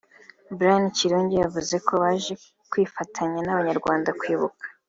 Brian Kirungi yavuze ko baje kwifatanya n’abanyarwanda kwibuka